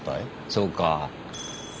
そうか。